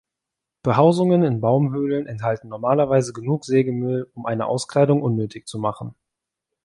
Behausungen in Baumhöhlen enthalten normalerweise genug Sägemehl, um eine Auskleidung unnötig zu machen.